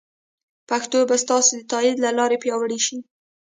پښتو به ستاسو د تایید له لارې پیاوړې شي.